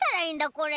これ。